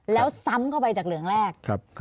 แล้วซ้ำเข้าไปจากเหลืองแรก